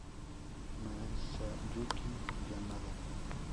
Masayuki Yamada